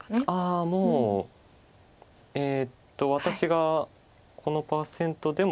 もうえっと私がこのパーセントでも。